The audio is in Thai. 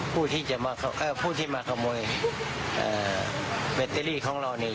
ผู้ที่จะมาเอ่อผู้ที่มาขโมยเอ่อแบตเตอรี่ของเราเนี่ย